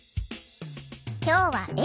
今日は笑